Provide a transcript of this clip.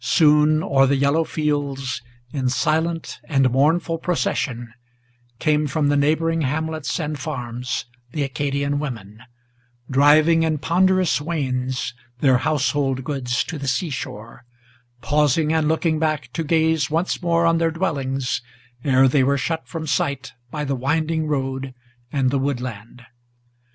Soon o'er the yellow fields, in silent and mournful procession, Came from the neighboring hamlets and farms the Acadian women, Driving in ponderous wains their household goods to the sea shore, Pausing and looking back to gaze once more on their dwellings, Ere they were shut from sight by the winding road and the woodland.